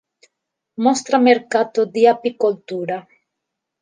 Mostra mercato di apicoltura.